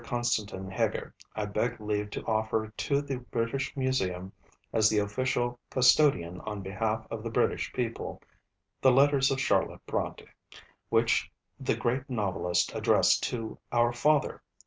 Constantin Heger, I beg leave to offer to the British Museum, as the official custodian on behalf of the British People, the Letters of Charlotte Brontë, which the great Novelist addressed to our Father.